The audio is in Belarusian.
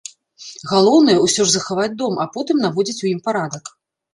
Галоўнае, усё ж захаваць дом, а потым наводзіць у ім парадак.